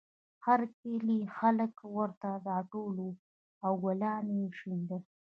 د هر کلي خلک ورته راټول وو او ګلان یې شیندل